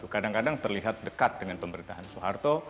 kadang kadang terlihat dekat dengan pemerintahan soeharto